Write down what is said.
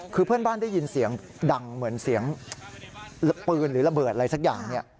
คือเพื่อนบ้านได้ยินเสียงดังเหมือนเสียงปืนหรือระเบิดอะไรสักอย่างเนี่ย